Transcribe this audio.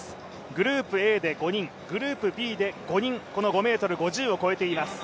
グループＡで５人、グループＢで５人、この５ｍ５０を越えています。